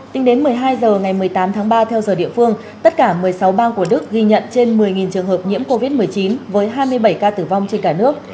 tính đến một mươi hai h ngày một mươi tám tháng ba theo giờ địa phương tất cả một mươi sáu bang của đức ghi nhận trên một mươi trường hợp nhiễm covid một mươi chín với hai mươi bảy ca tử vong trên cả nước